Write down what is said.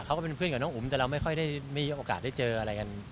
ก็เป็นเพื่อนกับน้องอุ๋มแต่เราไม่ค่อยได้มีโอกาสได้เจออะไรกัน